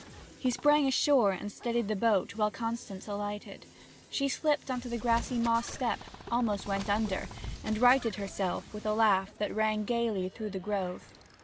He sprang ashore and steadied the boat while Constance alighted. She slipped on the mossy step almost went under and righted herself with a laugh that rang gaily through the grove.